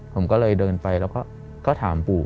ผมก็เลยเดินไปแล้วก็ถามปู่